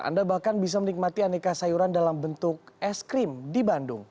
anda bahkan bisa menikmati aneka sayuran dalam bentuk es krim di bandung